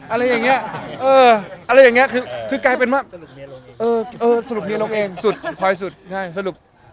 อะไรอย่างเงี้ยเอออะไรอย่างเงี้ยคือคือกลายเป็นว่าเออเออสรุปเมียลงเองสุดสุดใช่สรุป